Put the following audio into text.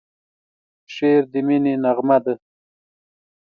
شعر د مینې نغمه ده.